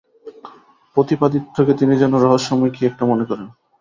প্রতাপাদিত্যকে তিনি যেন রহস্যময় কি একটা মনে করেন!